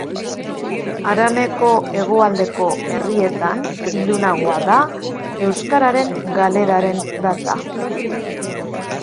Haraneko hegoaldeko herrietan ilunagoa da euskararen galeraren data.